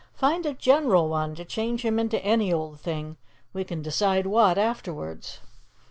Find a general one, to change him into any old thing. We can decide what afterwards."